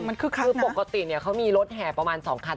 มันคือคักนะคือปกติเนี่ยเขามีรถแถ่ประมาณ๒คัน